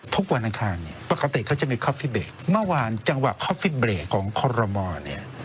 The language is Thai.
วันอังคารเนี่ยปกติเขาจะมีคอฟฟิเบตเมื่อวานจังหวะคอฟฟิตเบรกของคอรมอลเนี่ย